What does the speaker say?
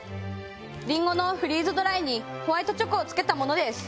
りんごのフリーズドライにホワイトチョコをつけたものです。